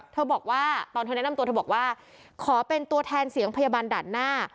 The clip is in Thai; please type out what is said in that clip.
บอกว่าตอนเธอแนะนำตัวเธอบอกว่าขอเป็นตัวแทนเสียงพยาบาลด่านหน้า